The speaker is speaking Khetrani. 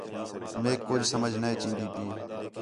میک کُج سمجھ نے چین٘دی ہَئی